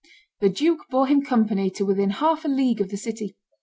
The duke bore him company to within half a league of the city.